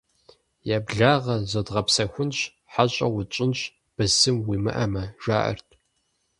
«Еблагъэ, зодгъэгъэпсэхунщ, хьэщӀэ утщӀынщ, бысым уимыӀэмэ!» - жаӀэрт.